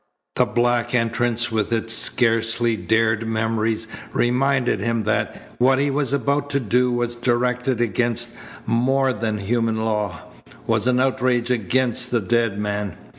The black entrance with its scarcely dared memories reminded him that what he was about to do was directed against more than human law, was an outrage against the dead man.